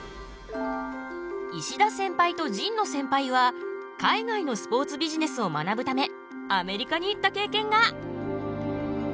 石田センパイと陳野センパイは海外のスポーツビジネスを学ぶためアメリカに行った経験が。